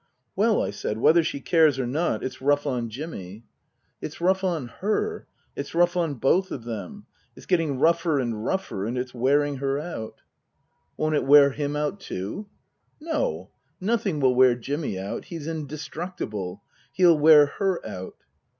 " Well," I said, " whether she cares or not, it's rough on Jimmy." " It's rough on her. It's rough on both of them. It's getting rougher and rougher, and it's wearing her out." Book II : Her Book 211 " Won't it wear him out too ?"" N no. Nothing will wear Jimmy out. He's in destructible. He'll wear her out."